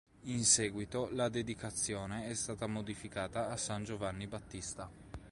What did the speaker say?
In seguito la dedicazione è stata modificata a San Giovanni Battista.